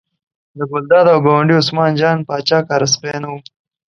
له ګلداد او ګاونډي عثمان جان پاچا کره سپی نه و.